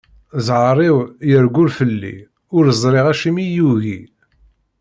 Zher-iw, irewwel fell-i, ur ẓriɣ acimi i iyi-yugi.